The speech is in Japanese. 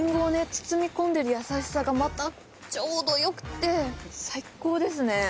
包み込んでる優しさがまたちょうどよくて最高ですね